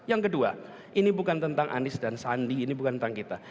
yang kedua ini bukan tentang anies dan sandi ini bukan tentang kita